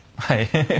はい。